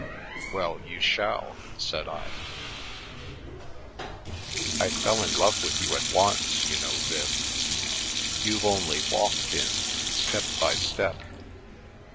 " Well, you shall," said I. " I fell in love with you at once, you know, Viv. You've only walked in, step by step.